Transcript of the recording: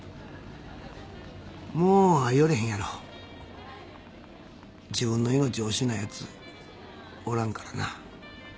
もう寄れへんやろ。自分の命惜しないヤツおらんからな。